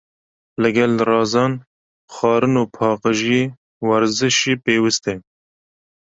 Li gel razan, xwarin û paqijiyê, werzîş jî pêwîst e.